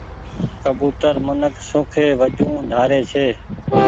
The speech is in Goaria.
ڪبوتر منک شوکي وجون ڍاري ڇي۔